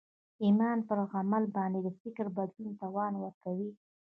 ایمان پر عمل باندې د فکر بدلولو توان ورکوي